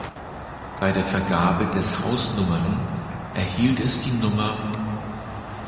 Bei der Vergabe des Hausnummern erhielt es die Nr.